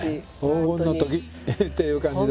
黄金の時っていう感じですよね。